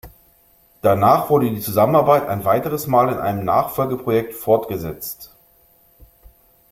Danach wurde die Zusammenarbeit ein weiteres Mal in einem Nachfolgeprojekt fortgesetzt.